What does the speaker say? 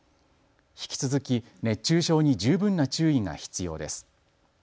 引き続き熱中症に十分な注意が必要です。